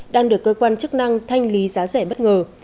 đang được cơ quan chức năng thanh lý giá rẻ bất ngờ